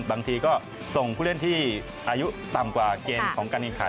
บางทีก็ส่งผู้เล่นที่อายุต่ำกว่าเกณฑ์ของการแข่งขัน